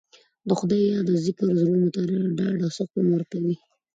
د خدای یاد او ذکر زړونو ته ډاډ او سکون ورکوي.